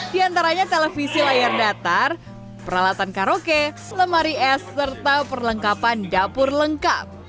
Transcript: di antaranya televisi layar datar peralatan karaoke lemari es serta perlengkapan dapur lengkap